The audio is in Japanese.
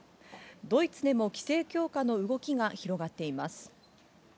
ドイツでも規制強化の動きが広がっています。